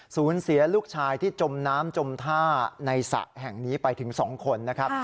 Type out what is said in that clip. สูญเสียลูกชายที่จมน้ำจมท่าในสระแห่งนี้ไปถึง๒คนนะครับ